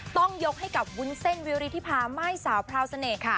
ต้องยกให้กับวุ้นเส้นวิริธิพาม่ายสาวพราวเสน่ห์ค่ะ